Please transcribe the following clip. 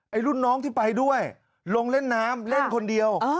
รุ่นน้องที่ไปด้วยลงเล่นน้ำเล่นคนเดียว